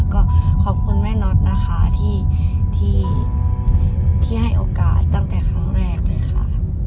ก็ขอบคุณแม่น็อตนะคะที่ให้โอกาสตั้งแต่ครั้งแรกเลยค่ะ